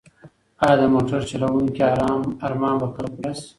ایا د موټر چلونکي ارمان به کله پوره شي؟